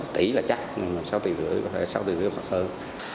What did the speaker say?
sáu tỷ là chắc nhưng sáu tỷ rưỡi có thể sáu tỷ rưỡi là khó hơn